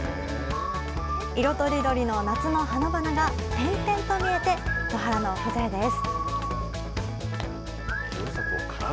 色とりどりの夏の花々が点々と見えて、野原の風情です。